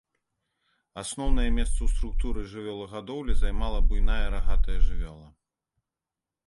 Асноўнае месца ў структуры жывёлагадоўлі займала буйная рагатая жывёла.